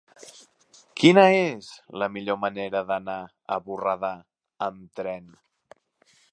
Quina és la millor manera d'anar a Borredà amb tren?